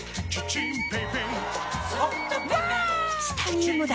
チタニウムだ！